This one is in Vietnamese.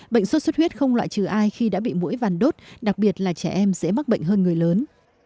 bệnh sốt xuất huyết không loại trừ ai khi đã bị mũi vàn đốt đặc biệt là trẻ em dễ mắc bệnh hơn người lớn